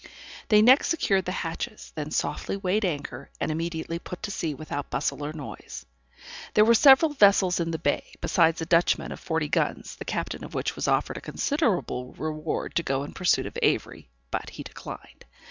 They next secured the hatches, then softly weighed anchor, and immediately put to sea without bustle or noise. There were several vessels in the bay, besides a Dutchman of forty guns, the captain of which was offered a considerable reward to go in pursuit of Avery, but he declined.